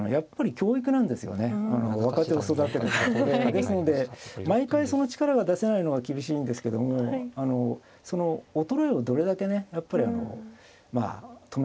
ですので毎回その力が出せないのが厳しいんですけどもその衰えをどれだけねやっぱりあのまあ止めるか。